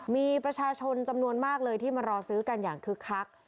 มีประชาชนจำนวนมากเลยที่มารอซื้อกันอย่างคึกคัก